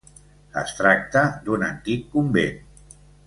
Es tracta d'un antic convent.